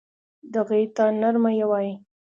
دغې ی ته نرمه یې وايي.